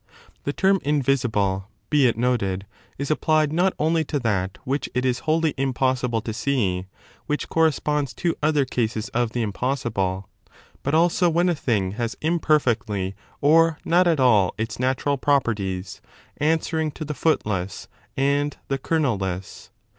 The term invisible, be it noted, is applied not only to that which it is wholly impossible to see, which corresponds to other cases of the impossible, but also when a thing has imperfectly or not at all its natural properties, answer ing to the footless and the kernel less.